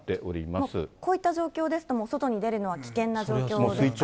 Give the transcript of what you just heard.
もうこういった状況ですと、外に出るのは危険な状況ですから。